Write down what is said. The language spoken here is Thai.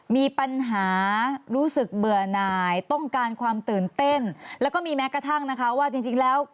มีปัญหารู้สึกเบื่อหน่ายต้องการความตื่นเต้นแล้วก็มีแม้กระทั่งนะคะว่าจริงแล้ว